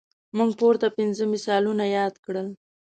موږ پورته پنځه مثالونه یاد کړل.